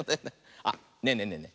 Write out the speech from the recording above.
あっねえねえねえねえ。